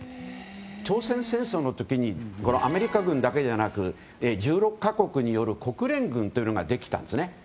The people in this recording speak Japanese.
朝鮮戦争の時にアメリカ軍だけじゃなく１６か国による国連軍ができたんですね。